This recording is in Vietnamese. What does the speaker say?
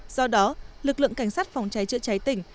do đó lực lượng cảnh sát phòng cháy chữa cháy tỉnh